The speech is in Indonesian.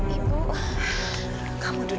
terima kasih kak fadil